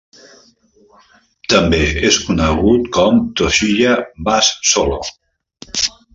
També és conegut com Toshiya bass solo.